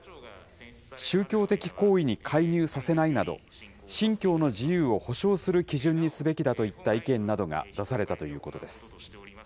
宗教的行為に介入させないなど、信教の自由を保障する基準にすべきだといった意見などが出されたということです。